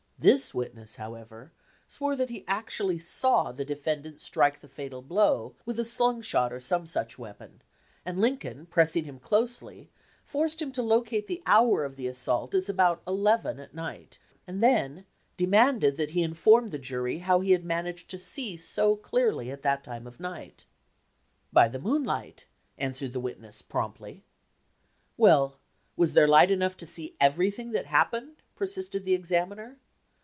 This witness, however, swore that he actually saw the defendant strike the fatal blow with a slungshot or some such wearjon ; and Lin coln, pressing him closely, forced him to locate 232 THE CROSS EXAMINER the hour of the assault as about eleven at night, and then demanded that he inform the jury how he had managed to see so clearly at that time of night. "By the moonlight," answered the wit ness, promptly. "Well, was there light enough to see everything that happened?" persisted the examiner.